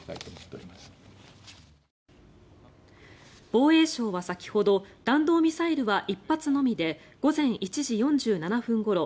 防衛省は先ほど弾道ミサイルは１発のみで午前１時４７分ごろ